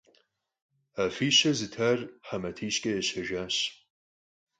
Afişe zıtar he matişç'e yaşejjaş.